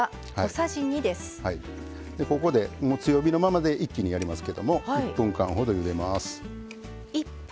強火のままで一気にやりますけども１分間ほど、ゆでます。